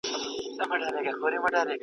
کتاب د ماشومانو لپاره الهام دی.